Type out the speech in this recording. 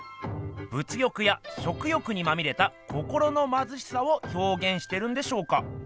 物欲や食欲にまみれた心のまずしさをひょうげんしてるんでしょうか？